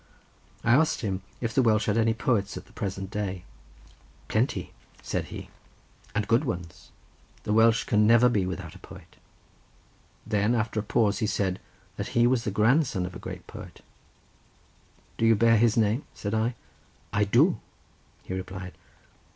I asked him if the Welsh had any poets at the present day. "Plenty," said he, "and good ones—Wales can never be without a poet." Then after a pause he said that he was the grandson of a great poet. "Do you bear his name?" said I. "I do," he replied.